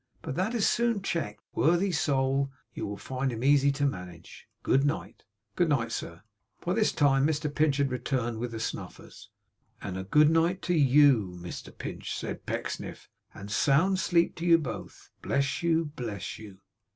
But that is soon checked. Worthy soul! You will find him easy to manage. Good night!' 'Good night, sir.' By this time Mr Pinch had returned with the snuffers. 'And good night to YOU, Mr Pinch,' said Pecksniff. 'And sound sleep to you both. Bless you! Bless you!